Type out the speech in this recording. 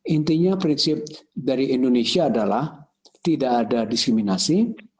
intinya prinsip dari indonesia adalah tidak ada diskriminasi